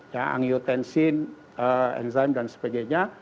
ya angiotensin enzim dan sebagainya